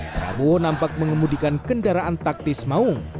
prabowo nampak mengemudikan kendaraan taktis maung